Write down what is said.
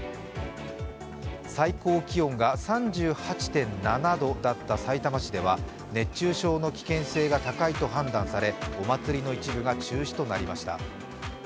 最高気温が３８．７度だったさいたま市では熱中症の危険性が高いと判断されお祭りの一部が中止となりました。